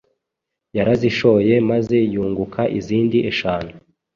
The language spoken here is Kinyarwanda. Yarazishoye maze yunguka izindi eshanu.